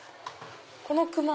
このクマ。